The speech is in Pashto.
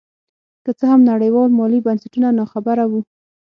که څه هم نړیوال مالي بنسټونه نا خبره وو.